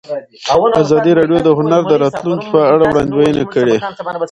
ازادي راډیو د هنر د راتلونکې په اړه وړاندوینې کړې.